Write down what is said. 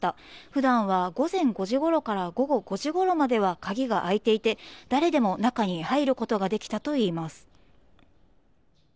普段は午前５時ごろから午後５時ごろまでは鍵が開いていて、誰でも中に入ることができたといいます。